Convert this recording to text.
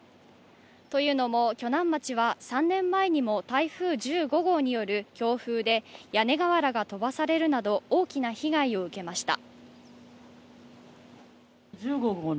というのも鋸南町は、３年前にも台風１５号による強風で、屋根瓦が飛ばされるなど大きな被害を受けました。